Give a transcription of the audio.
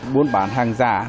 buôn bán hàng giả